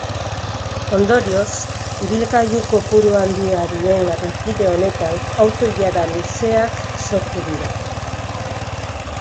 Ondorioz, ibilgailu kopuru handia duen errepide honetan auto-ilara luzeak sortu dira.